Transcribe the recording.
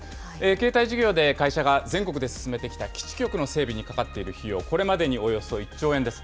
携帯事業で会社が全国で進めてきた基地局の整備にかかっている費用、これまでにおよそ１兆円です。